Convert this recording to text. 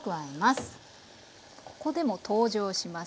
ここでも登場します。